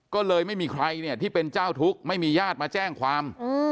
ก็เลยไม่มีใครเนี่ยที่เป็นเจ้าทุกข์ไม่มีญาติมาแจ้งความ